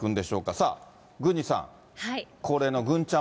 さあ、郡司さん、高齢の郡ちゃん